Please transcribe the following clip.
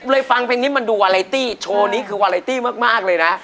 เลยฟังเพลงนี้มันดูวาไลตี้โชว์นี้คือวาไลตี้มากเลยนะ